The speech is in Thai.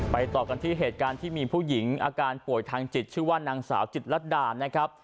ต่อกันที่เหตุการณ์ที่มีผู้หญิงอาการป่วยทางจิตชื่อว่านางสาวจิตรดานะครับ